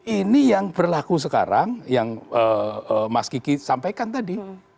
ini yang berlaku sekarang yang mas kiki sampaikan tadi